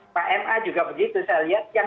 pak ma juga begitu saya lihat kan